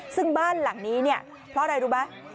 ซึ่งบ้านหลังนี้เนี่ยเพราะอะไรรู้ไหม